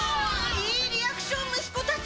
いいリアクション息子たち！